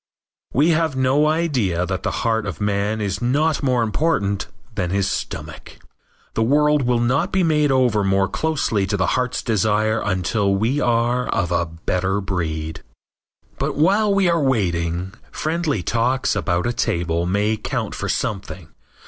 We have no idea that the heart of man is not more important than his stomach. The world will not be made over more closely to the heart's desire until we are of a better breed. But while we are waiting, friendly talks about a table may count for something.